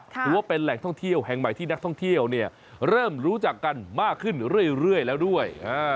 ถือว่าเป็นแหล่งท่องเที่ยวแห่งใหม่ที่นักท่องเที่ยวเริ่มรู้จักกันมากขึ้นเรื่อยแล้วด้วย